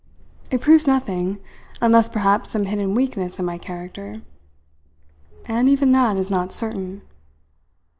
It proves nothing, unless perhaps some hidden weakness in my character and even that is not certain."